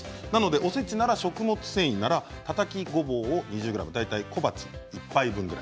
おせちなら食物繊維ならたたきごぼう２０ｇ大体、小鉢１杯分ぐらい。